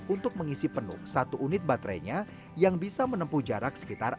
untuk mengisi penuh satu unit baterainya yang bisa menempuh jarak sekitar enam puluh km